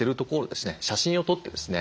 写真を撮ってですね